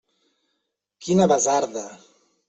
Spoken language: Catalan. Quina basarda!